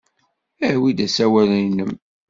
Awi-d asawal-nnem.